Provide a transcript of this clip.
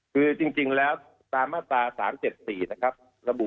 คือจริงแล้วตามมาตรา๓๗๔นะครับระบุ